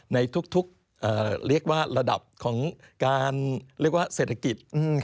ในทุกระดับของการเศรษฐกิจ